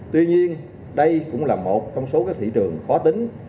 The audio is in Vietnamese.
tuy nhiên đây cũng là một trong số các thị trường khó tính